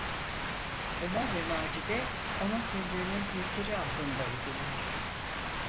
Ömer ve Macide onun sözlerinin tesiri altında idiler.